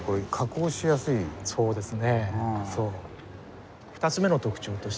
そうですね。